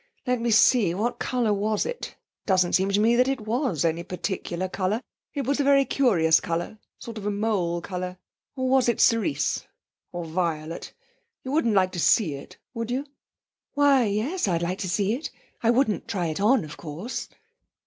'Let me see what colour was it? It doesn't seem to me that it was any particular colour. It was a very curious colour. Sort of mole colour. Or was it cerise? Or violet?... You wouldn't like to see it, would you?' 'Why, yes, I'd like to see it; I wouldn't try it on of course.'